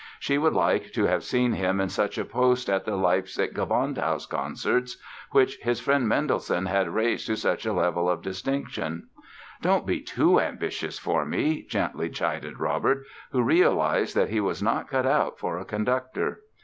She would like to have seen him in such a post at the Leipzig Gewandhaus concerts, which his friend Mendelssohn had raised to such a level of distinction. "Don't be too ambitious for me", gently chided Robert, who realized that he was not cut out for a conductor.